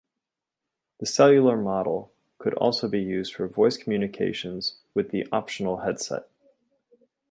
The cellular model could also be used for voice communications with the optional handset.